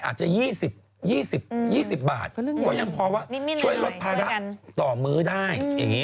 อาจจะ๒๐บาทก็ยังพอว่าช่วยรถพาระต่อมื้อได้